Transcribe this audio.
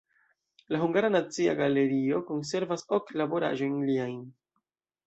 La Hungara Nacia Galerio konservas ok laboraĵojn liajn.